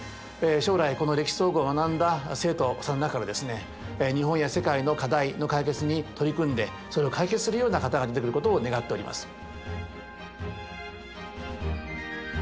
将来この「歴史総合」を学んだ生徒さんの中からですね日本や世界の課題の解決に取り組んでそれを解決するような方が出てくることを願っております。